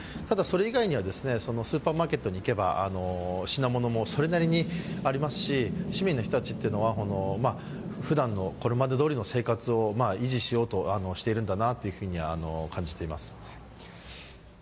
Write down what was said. ただ、それ以外にはスーパーマーケットに行けば品物もそれなりにありますし、市民の人たちはふだんのこれまでどおりの生活を維持しようとしているんだなと感じています。